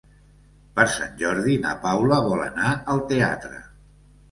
Per Sant Jordi na Paula vol anar al teatre.